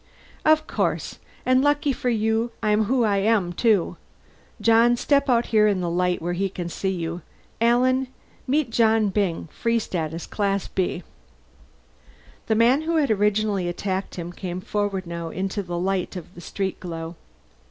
"Of course. And lucky for you I'm who I am, too. John, step out here in the light where he can see you. Alan, meet John Byng. Free Status, Class B." The man who had originally attacked him came forward now, into the light of the street glow.